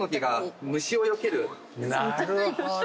なるほど。